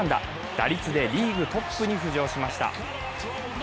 打率でリーグトップに浮上しました。